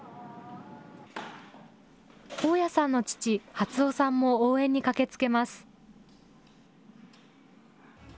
大屋さんの父、初夫さんも応援に駆けつけます。